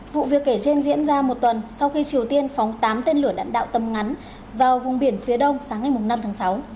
vụ việc kể trên diễn ra một tuần sau khi triều tiên phóng tám tên lửa đạn đạo tầm ngắn vào vùng biển phía đông sáng ngày năm tháng sáu